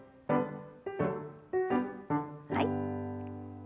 はい。